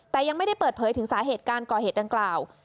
แต่ยังไม่ได้เปิดเผยถึงสาเหตุการก่อเหตุดังกล่าว